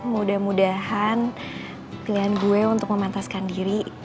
mudah mudahan pilihan gue untuk memantaskan diri